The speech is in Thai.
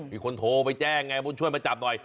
มีคนโทรไปแจ้งไงบุญช่วยมาจับหน่อย